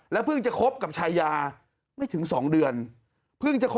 แล้วเพิ่งจะคบกับชายาไม่ถึง๒เดือน